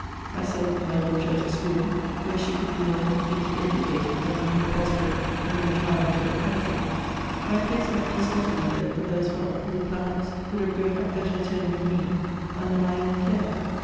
I settled my daughter at a school, where she could be more completely educated than would be possible in the retirement of the country ; and I placed my niece Ottilie there with her as well, who, perhaps, would have grown up better at home with mc, under my own care.